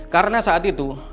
karena saat itu